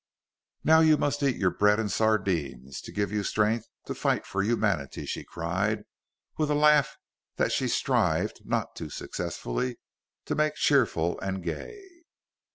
"Now you must eat your bread and sardines, to give you strength to fight for humanity!" she cried, with a laugh that she strived, not too successfully, to make cheerful and gay.